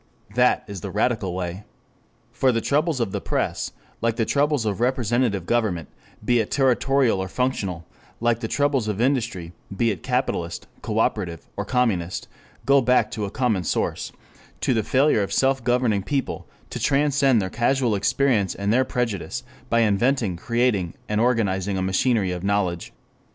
That is the radical way. For the troubles of the press, like the troubles of representative government, be it territorial or functional, like the troubles of industry, be it capitalist, cooperative, or communist, go back to a common source: to the failure of self governing people to transcend their casual experience and their prejudice, by inventing, creating, and organizing a machinery of knowledge.